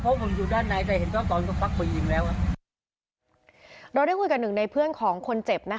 เพราะผมอยู่ด้านในแต่เห็นว่าตอนเขาควักปืนยิงแล้วเราได้คุยกับหนึ่งในเพื่อนของคนเจ็บนะคะ